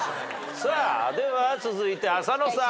では続いて浅野さん。